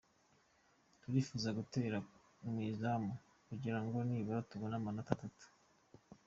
Turifuza gutera mu izamu kugira ngo nibura tubone amanota atatu.